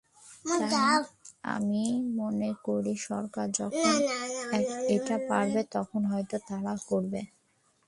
তাই আমি মনে করি, সরকার যখন এটা পারবে, তখনই হয়তো তারা করবে।